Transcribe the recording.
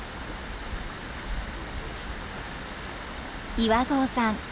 岩合さん